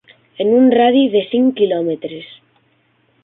En un radi de cinc quilòmetres.